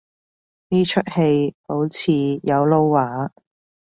呢齣戲好似有撈話